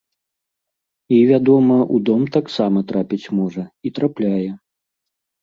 І, вядома, у дом таксама трапіць можа, і трапляе.